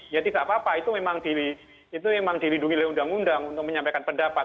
ya tidak apa apa itu memang dilindungi oleh undang undang untuk menyampaikan pendapat